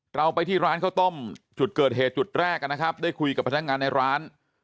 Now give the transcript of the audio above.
เราไปที่ร้านข้าวต้มจุดเกิดเหตุจุดแรกนะครับได้คุยกับพนักงานในร้าน